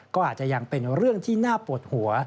ก็อาจจะยังเป็นเรื่องที่น่าปวดหัว